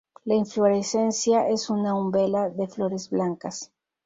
La inflorescencia es una umbela de flores blancas.